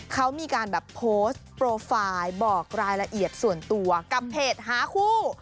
เขามีการแบบโพสต์โปรไฟล์บอกรายละเอียดส่วนตัวกับเพจหาคู่